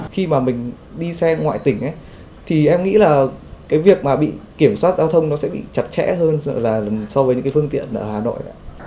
khi mà mình đi xe ngoại tỉnh ấy thì em nghĩ là cái việc mà bị kiểm soát giao thông nó sẽ bị chặt chẽ hơn là so với những cái phương tiện ở hà nội